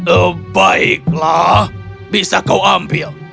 eh baiklah bisa kau ambil